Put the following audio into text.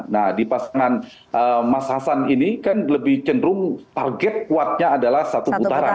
nah di pasangan mas hasan ini kan lebih cenderung target kuatnya adalah satu putaran